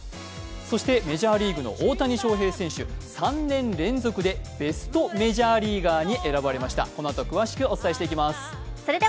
そしてメジャーリーグの大谷翔平選手、３年連続でベストメジャーリーガーに選ばれました。